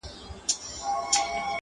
بې دتا نه هر وجود وهم و خیال دی